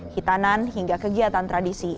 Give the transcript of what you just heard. hitanan hingga kegiatan tradisi